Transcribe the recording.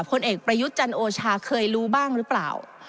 ผลเอกประยุทธ์จันโอชาเคยรู้บ้างหรือเปล่า